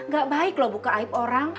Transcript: gak baik loh buka aib orang